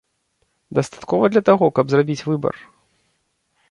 Дастаткова для таго, каб зрабіць выбар?